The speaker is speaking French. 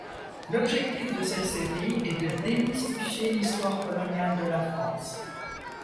L'objectif de cette série est de démystifier l'histoire coloniale de la France.